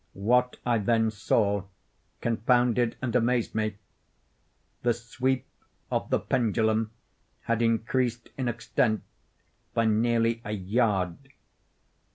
What I then saw confounded and amazed me. The sweep of the pendulum had increased in extent by nearly a yard.